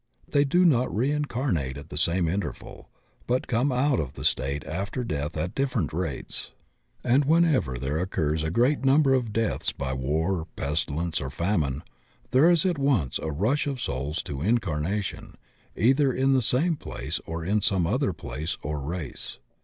They do not reincarnate at the same interval, but come out of the state after death at different rates, and whenever there occurs a great number of deaths by war, pestilence, or famine, there is at once a rush 78 THE OCEAN OF THEOSOPHY of souls to incarnation, either in the same place or in some other place or race.